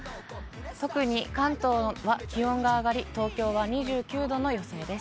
特に関東は気温が上がり、東京は２９度の予想です。